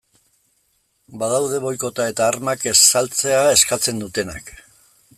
Badaude boikota eta armak ez saltzea eskatzen dutenak.